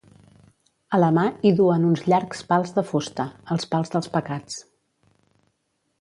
A la mà hi duen uns llargs pals de fusta, els pals dels Pecats.